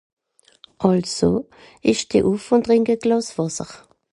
àlso ìsch steh ùff ùn trìnk à glàss wàsser